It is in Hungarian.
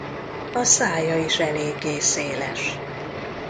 A szája is eléggé széles.